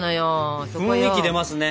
雰囲気出ますね。